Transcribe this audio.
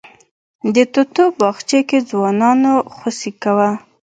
د توتو باغچې کې ځوانانو خوسی کوه.